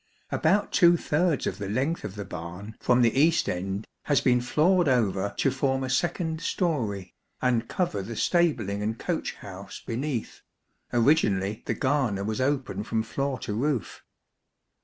About two thirds of the length of the barn from the east end has been floored over to form a second storey, and cover the stabling and coach house beneath ; originally the garner was open from floor to roof.